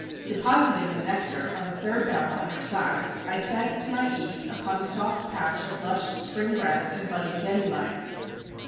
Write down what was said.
Depositing the nectar on a third barrel at her side, I sank to my ease upon a soft patch of lush spring grass and budding dandelions.